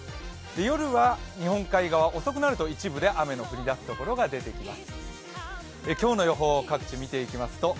夜は日本海側、遅くなると一部で雨の降り出すところが出てきます。